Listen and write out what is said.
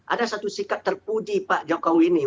ada satu sikap terpuji pak jokowi ini